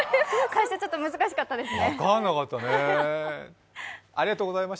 ちょっと難しかったですね。